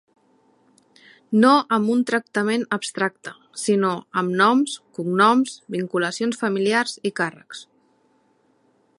No amb un tractament abstracte, sinó amb noms, cognoms, vinculacions familiars i càrrecs.